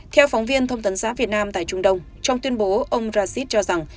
theo phóng viên thông tấn xã việt nam tại trung đông trong tuyên bố ông racis cho rằng